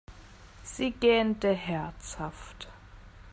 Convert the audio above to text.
Sie gähnte herzhaft.